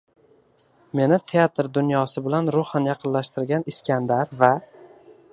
Meni teatr dunyosi bilan ruhan yaqinlashtirgan “Iskandar” va